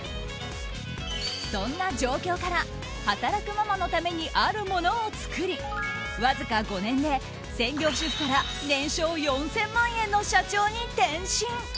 そんな状況から働くママのためにあるものを作りわずか５年で専業主婦から年商４０００万円の社長に転身。